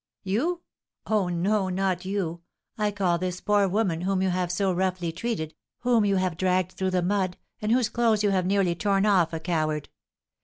"You? Oh, no, not you! I call this poor woman, whom you have so roughly treated, whom you have dragged through the mud, and whose clothes you have nearly torn off, a coward.